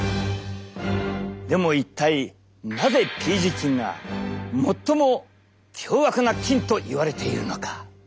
でも一体なぜＰ．ｇ菌が最も凶悪な菌といわれているのか？